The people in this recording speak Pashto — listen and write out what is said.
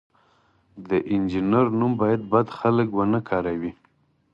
د انجینر نوم باید بد خلک ونه کاروي.